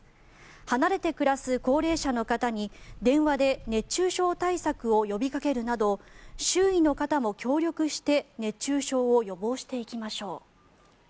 離れて暮らす高齢者の方に電話で熱中症対策を呼びかけるなど周囲の方も協力して熱中症を予防していきましょう。